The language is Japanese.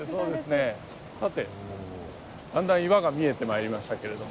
さてだんだん岩が見えてまいりましたけれども。